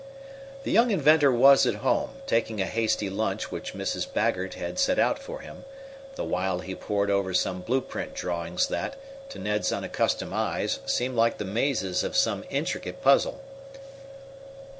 The young inventor was at home, taking a hasty lunch which Mrs. Baggert had set out for him, the while he poured over some blueprint drawings that, to Ned's unaccustomed eyes, looked like the mazes of some intricate puzzle.